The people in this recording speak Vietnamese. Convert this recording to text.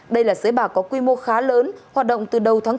đây là sới bạc có quy mô khá lớn hoạt động từ đầu tháng bốn